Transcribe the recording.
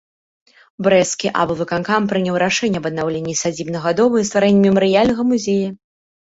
Брэсцкі аблвыканкам прыняў рашэнне аб аднаўленні сядзібнага дома і стварэнні мемарыяльнага музея.